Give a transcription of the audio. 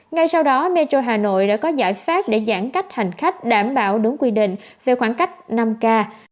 ngay sau đó metro hà nội đã có giải pháp để giãn cách hành khách đảm bảo đúng quy định về khoảng cách năm k